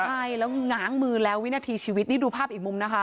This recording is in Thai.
ใช่แล้วง้างมือแล้ววินาทีชีวิตนี่ดูภาพอีกมุมนะคะ